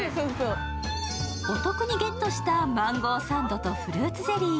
お得にゲットしたマンゴーサンドとフルーツゼリー。